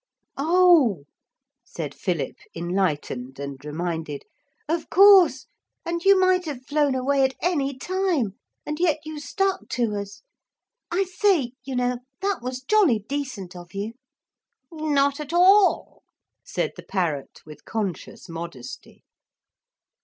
'Oh!' said Philip enlightened and reminded. 'Of course! And you might have flown away at any time. And yet you stuck to us. I say, you know, that was jolly decent of you.' 'Not at all,' said the parrot with conscious modesty.